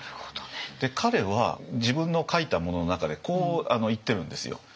彼は自分の書いたものの中でこう言ってるんですよ。